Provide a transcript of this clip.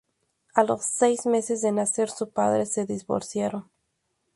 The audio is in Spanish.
A los seis meses de nacer, sus padres se divorciaron.